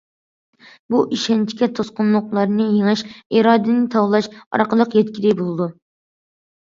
بۇ ئىشەنچكە توسقۇنلۇقلارنى يېڭىش، ئىرادىنى تاۋلاش ئارقىلىق يەتكىلى بولىدۇ.